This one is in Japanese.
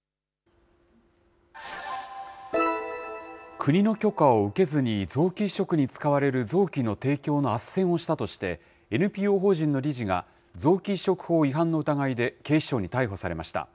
国の許可を受けずに、臓器移植に使われる臓器の提供のあっせんをしたとして、ＮＰＯ法人の理事が臓器移植法違反の疑いで警視庁に逮捕されました。